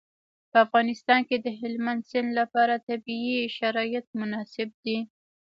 په افغانستان کې د هلمند سیند لپاره طبیعي شرایط مناسب دي.